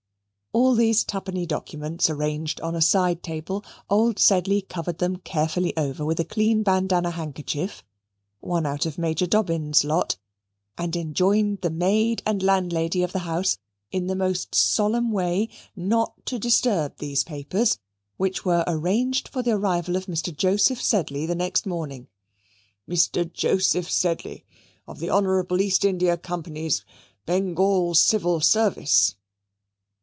All these twopenny documents arranged on a side table, old Sedley covered them carefully over with a clean bandanna handkerchief (one out of Major Dobbin's lot) and enjoined the maid and landlady of the house, in the most solemn way, not to disturb those papers, which were arranged for the arrival of Mr. Joseph Sedley the next morning, "Mr. Joseph Sedley of the Honourable East India Company's Bengal Civil Service."